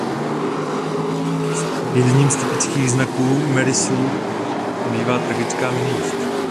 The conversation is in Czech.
Jedním z typických znaků Mary Sue bývá tragická minulost.